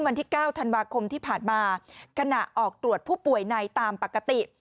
วันที่๙ธันวาคมที่ผ่านมาขณะออกตรวจผู้ป่วยในตามปกติ